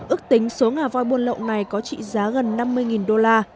ước tính số ngà voi buôn lậu này có trị giá gần năm mươi đô la